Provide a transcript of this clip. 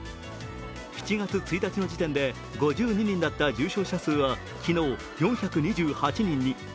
７月１日の時点で５２人だった重症者数は昨日、４２８人に。